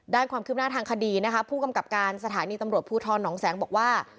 ความคืบหน้าทางคดีนะคะผู้กำกับการสถานีตำรวจภูทรหนองแสงบอกว่า